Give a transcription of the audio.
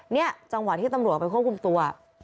เนี่ยจังหวะที่ตำรวจอุบรณ์ไปควบคุมตัว